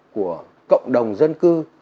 của cộng đồng dân cư